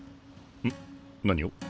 ん？何を？